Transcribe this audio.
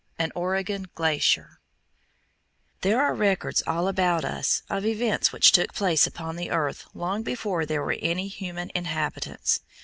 AN OREGON GLACIER There are records all about us of events which took place upon the earth long before there were any human inhabitants.